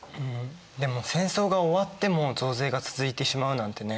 でも戦争が終わっても増税が続いてしまうなんてね。